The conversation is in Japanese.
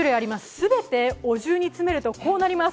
すべてお重に詰めるとこうなります。